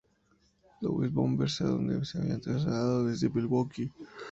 Louis Bombers, a donde se habían trasladado desde Milwaukee.